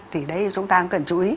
thì đấy chúng ta cần chú ý